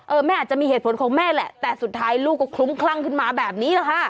แม่อาจจะมีเหตุผลของแม่แหละแต่สุดท้ายลูกก็คลุ้มคลั่งขึ้นมาแบบนี้แหละค่ะ